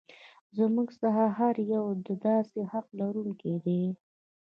زموږ څخه هر یو د داسې حق لرونکی دی.